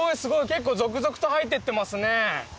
結構続々と入っていってますね。